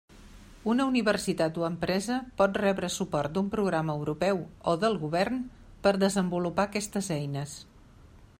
Una universitat o empresa pot rebre suport d'un programa europeu o del Govern per desenvolupar aquestes eines.